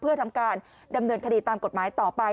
เพื่อทำการดำเนินคดีตามกฎหมายต่อไป